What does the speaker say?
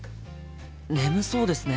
眠そうですね。